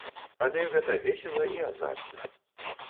Але гэта весела і азартна.